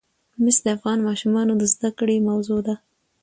مس د افغان ماشومانو د زده کړې موضوع ده.